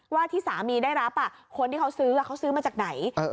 ว่าที่สามีได้รับคนที่เขาซื้อเขาซื้อมาจากไหน